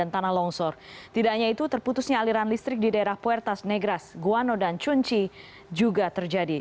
tanah longsor tidak hanya itu terputusnya aliran listrik di daerah puertas negras guano dan cunci juga terjadi